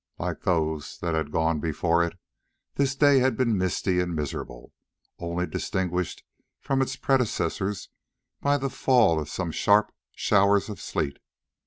Like those that had gone before it, this day had been misty and miserable, only distinguished from its predecessors by the fall of some sharp showers of sleet.